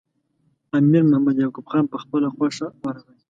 امیر محمد یعقوب خان په خپله خوښه ورغی.